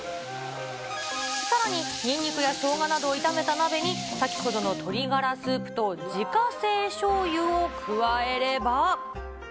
さらに、ニンニクやしょうがなどを炒めた鍋に、先ほどの鶏がらスープと自家製しょうゆを加えれば。